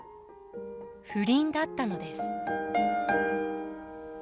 不倫だったのです。